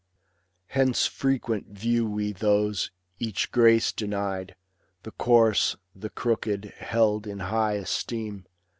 Hence frequent view we those, each grace denied, The coarse, the crooked, held in high esteem.